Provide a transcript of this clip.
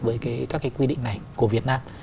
với các cái quy định này của việt nam